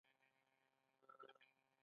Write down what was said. دوی د ټوولګي په وروستي لیکه کې ناست دي.